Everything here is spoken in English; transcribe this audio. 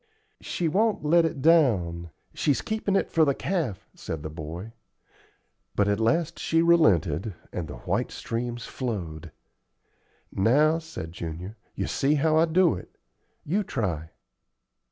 "She won't let it down she's keepin' it for the calf," said the boy. But at last she relented, and the white streams flowed. "Now," said Junior to me, "you see how I do it. You try."